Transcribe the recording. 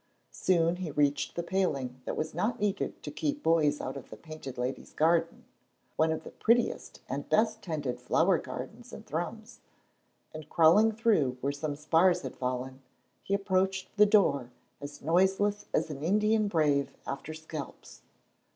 Soon he reached the paling that was not needed to keep boys out of the Painted Lady's garden, one of the prettiest and best tended flower gardens in Thrums, and crawling through where some spars had fallen, he approached the door as noiseless as an Indian brave after scalps.